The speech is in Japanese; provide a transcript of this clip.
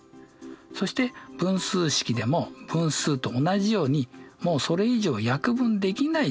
そして分数式でも分数と同じようにもうそれ以上約分できない状態